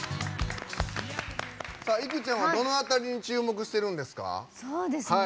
いくちゃんはどの辺りに注目してるんですか？